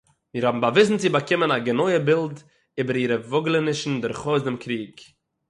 מיר האָבן באַוויזן צו באַקומען אַ גענויע בילד איבער אירע וואָגלענישן דורכאויס דעם קריג